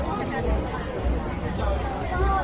แล้วก็ด้วยเรื่องของเป็นขั้นของงานมาก